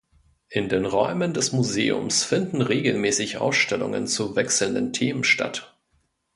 In den Räumen des Museums finden regelmäßig Ausstellungen zu wechselnden Themen statt.